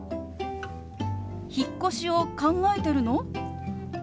「引っ越しを考えてるの？」。